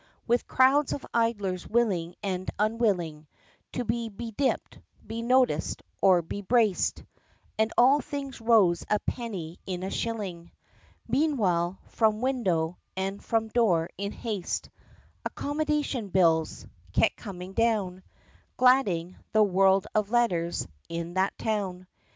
With crowds of idlers willing and unwilling To be bedipped be noticed or be braced, And all things rose a penny in a shilling. Meanwhile, from window, and from door, in haste "Accommodation bills" kept coming down, Gladding "the world of letters" in that town.